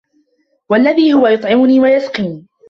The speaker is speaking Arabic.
وَالَّذي هُوَ يُطعِمُني وَيَسقينِ